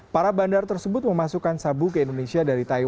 para bandar tersebut memasukkan sabu ke indonesia dari taiwan